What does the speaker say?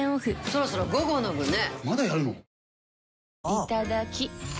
いただきっ！